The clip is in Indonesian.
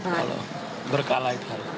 kalau berkala itu hal